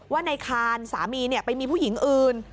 ว่าในคานสามีไปมีผู้หญิงอื่น